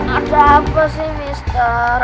ada apa sih mister